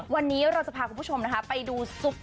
วันนี้เราจะพาคุณผู้ชมไปดู